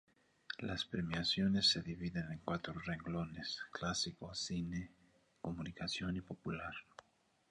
Las premiaciones se dividen en cuatro renglones: Clásico, Cine, Comunicación y Popular.